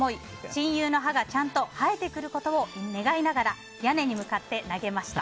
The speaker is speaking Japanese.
親友の歯が、ちゃんと生えてくることを願いながら屋根に向かって投げました。